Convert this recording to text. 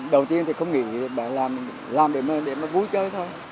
đầu tiên thì không nghĩ làm để vui chơi thôi